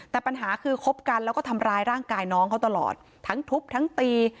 แต่ปัญหาคือคบกันแล้วก็ทำร้ายร่างกายน้องเขาตลอดทั้งทุบทั้งตี